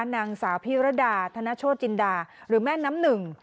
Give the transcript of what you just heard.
นางสาวพิรดาธนโชจินดาหรือแม่น้ำหนึ่ง